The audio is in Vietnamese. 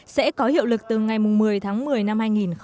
sẽ có hiệu lực từ ngày một mươi tháng một mươi năm hai nghìn một mươi tám